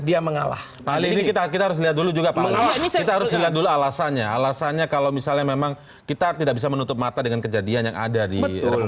dia mengalah kita kita harus lihat dulu juga menganggis harus lihat alasannya alasannya kalau